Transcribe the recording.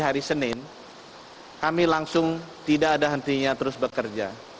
hari senin kami langsung tidak ada hentinya terus bekerja